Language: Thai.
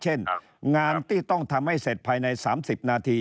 เช่นงานที่ต้องทำให้เสร็จภายใน๓๐นาที